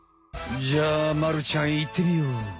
じゃあまるちゃんいってみよう！